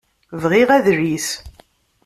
Bɣiɣ adlis.